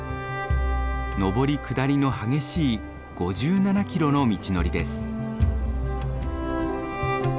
上り下りの激しい５７キロの道のりです。